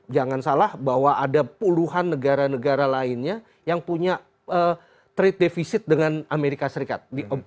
jangan salah bahwa ada puluhan negara negara lainnya yang punya trade defisit dengan amerika serikat